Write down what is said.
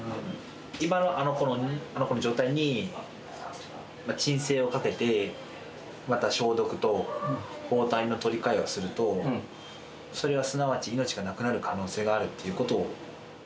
今のあの子の状態に鎮静をかけて、また消毒と包帯の取り替えをすると、それはすなわち命が亡くなる可能性があるということを。